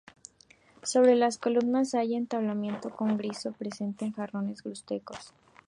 Sobre las columnas hay un entablamento con friso que presenta jarrones y grutescos.